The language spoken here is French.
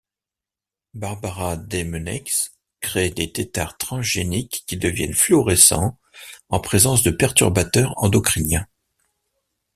Barbara Demeneix crée des têtards transgéniques qui deviennent fluorescents en présence de perturbateurs endocriniens.